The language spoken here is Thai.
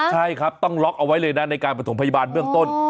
ใช่ครับต้องล็อกเอาไว้เลยนะในการประถมพยาบาลเบื้องต้น